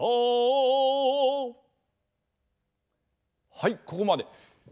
はいここまで。